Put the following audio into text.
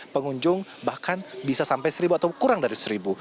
pengunjung bahkan bisa sampai seribu atau kurang dari seribu